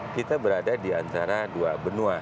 kita berada di antara dua benua